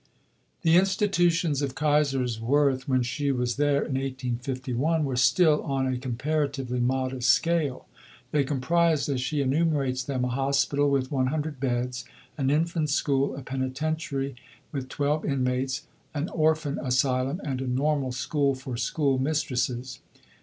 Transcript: The institutions of Kaiserswerth, when she was there in 1851, were still on a comparatively modest scale. They comprised, as she enumerates them, a Hospital (with 100 beds), an Infant School, a Penitentiary (with 12 inmates), an Orphan Asylum, and a Normal School for schoolmistresses.